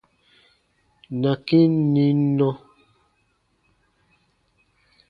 Na kĩ n nim nɔ.